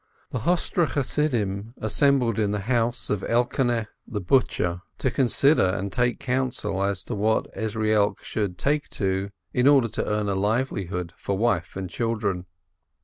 The Hostre Chassidim assembled in the house of Elkoneh the butcher to con sider and take counsel as to what Ezrielk should take to in order to earn a livelihood for wife and children.